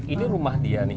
ini rumah dia nih